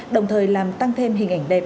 đồng thời làm tăng thêm hình ảnh đẹp